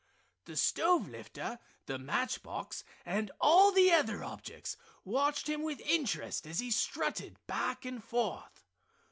The stove lifter, the match box and all the other objects watched him with interest as he strutted back and forth.